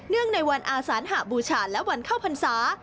เนื่องในวันอาสานหบูชาติและวันเข้าพรรษา